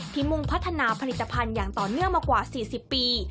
มุ่งพัฒนาผลิตภัณฑ์อย่างต่อเนื่องมากว่า๔๐ปี